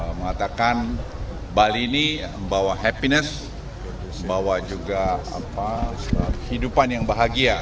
jadi mengatakan bali ini membawa happiness membawa juga hidupan yang bahagia